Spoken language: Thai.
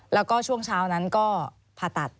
แล้วก็ช่วงเช้านั้นก็ผ่าตัด